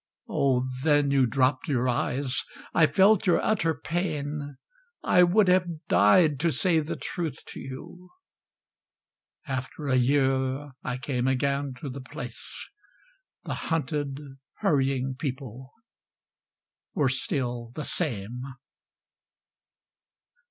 Oh then You dropped your eyes. I felt your utter pain. I would have died to say the truth to you. After a year I came again to the place The hunted hurrying people were still the same....